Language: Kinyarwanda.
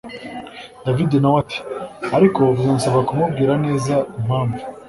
david nawe ati ariko bizansaba kumubwira neza impamvu